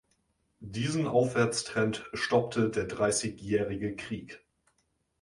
Diesen Aufwärtstrend stoppte der Dreißigjähriger Krieg.